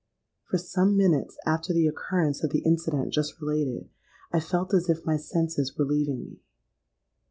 For some minutes after the occurrence of the incident just related, I felt as if my senses were leaving me.